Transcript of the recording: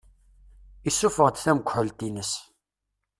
Isuffeɣ-d tanegḥelt-ines.